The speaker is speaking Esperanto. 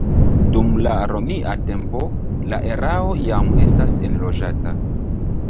Dum la Romia tempo la areo jam estas enloĝata.